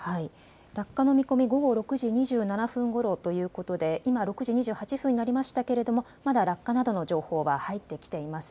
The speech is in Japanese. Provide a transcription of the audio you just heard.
落下の見込み、午後６時２７分ごろということで今６時２８分になりましたけれどもまだ落下などの情報は入っきていません。